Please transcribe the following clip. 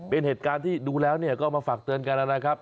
เป็นเหตุการณ์ที่ดูแล้วก็มาฝากเตือนกันแล้วนะครับ